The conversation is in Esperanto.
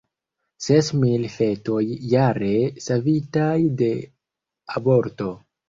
Ses mil fetoj jare savitaj de aborto.